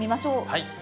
はい。